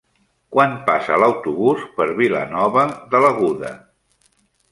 Quan passa l'autobús per Vilanova de l'Aguda?